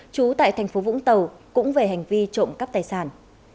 chú tại tp vũng tàu cũng về hành vi trộm cắp tài sản